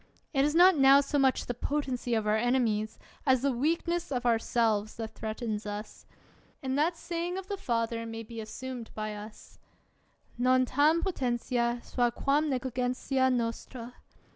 It is not now so much the potency of our enemies, as the weakness of ourselves, that threatens us; and that saying of the Father may be assumed by us, Non tarn potentia sua quam neghgentia nostra.